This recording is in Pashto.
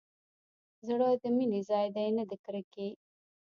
زړه د مينې ځاى دى نه د کرکې.